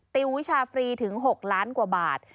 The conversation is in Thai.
ติววิชาฟรีถึง๖ล้านกว่าบาท